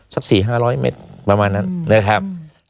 สัก๔๕๐๐เมตรประมาณนั้นนะครับ